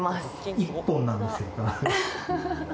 １本なんですけど。